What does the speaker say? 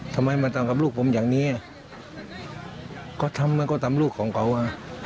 ทำไมมาทำกับลูกผมอย่างนี้ก็ทำมันก็ทำลูกของเขาอ่ะ